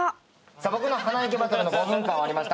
さあ僕の花いけバトルの５分間終わりました。